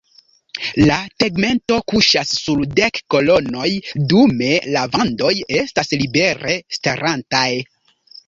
La tegmento kuŝas sur dek kolonoj dume la vandoj estas libere starantaj.